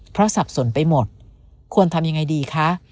เพราะสับสนไปหมดควรทำยังไงดีคะ